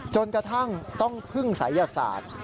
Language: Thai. จนกระทั่งต้องพึ่งศัยศาสตร์